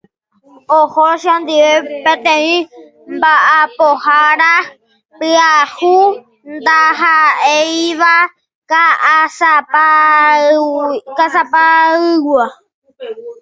Oho chendive peteĩ mba'apohára pyahu ndaha'éiva Ka'asapaygua.